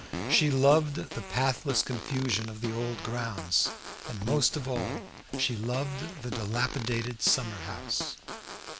She loved the pathless confusion of the old grounds, and most of all she loved the dilapidated summer house.